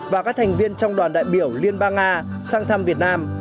và các thành viên trong đoàn đại biểu liên bang nga sang thăm việt nam